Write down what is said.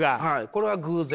これは偶然。